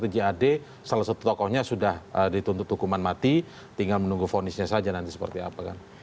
jad salah satu tokohnya sudah dituntut hukuman mati tinggal menunggu fonisnya saja nanti seperti apa kan